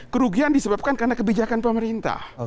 kerugian disebabkan karena kebijakan pemerintah